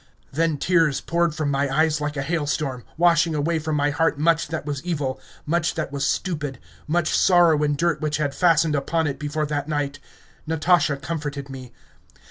Then tears poured from my eyes like a hailstorm, washing away from my heart much that was evil, much that was stupid, much sorrow and dirt which had fastened upon it before that night. Natasha comforted me.